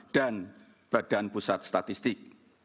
dan badan pusat statistik